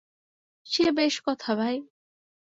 সে বেশ কথা, ভাই!